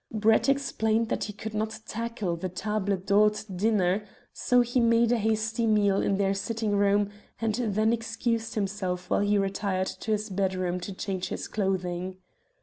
Brett explained that he could not tackle the table d'hote dinner, so he made a hasty meal in their sitting room and then excused himself whilst he retired to his bedroom to change his clothing.